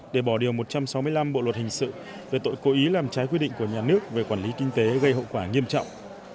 để bỏ điều một trăm sáu mươi năm bộ luật hình sự về tội cố ý làm trái quy định của nhà nước về quản lý kinh tế gây hậu quả nghiêm trọng